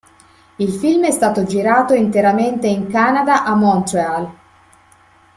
Il film è stato girato interamente in Canada a Montréal.